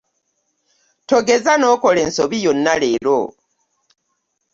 Togeza nokola ensobi yona leero.